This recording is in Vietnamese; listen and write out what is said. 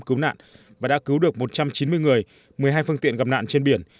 cứu nạn và đã cứu được một trăm chín mươi người một mươi hai phương tiện gặp nạn trên biển